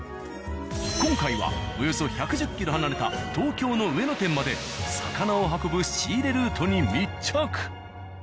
今回はおよそ１１０ｋｍ離れた東京の上野店まで魚を運ぶ仕入れルートに密着！